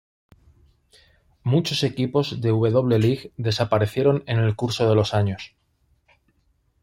Muchos equipos de W-League desaparecieron en el curso de los años.